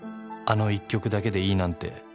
「あの一曲だけでいいなんて」